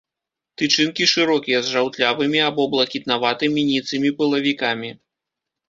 Тычынкі шырокія, з жаўтлявымі або блакітнаватымі ніцымі пылавікамі.